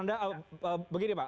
fungsi kontrol selalu menjadi masalah